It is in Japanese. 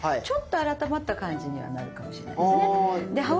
ちょっと改まった感じにはなるかもしれないですね。